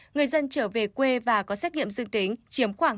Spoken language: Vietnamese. người dân trở về quê và có xét nghiệm dương tính chiếm khoảng